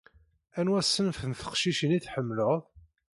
Anwa ṣṣenf n teqcicin i tḥemmleḍ?